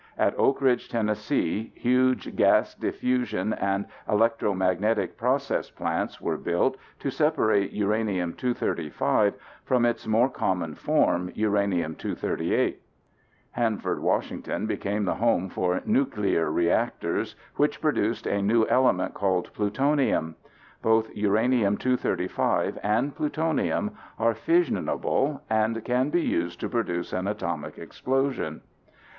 At Oak Ridge, Tenn., huge gas diffusion and electromagnetic process plants were built to separate uranium 235 from its more common form, uranium 238. Hanford, Wash. became the home for nuclear reactors which produced a new element called plutonium. Both uranium 235 and plutonium are fissionable and can be used to produce an atomic explosion.